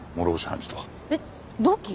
えっ同期！？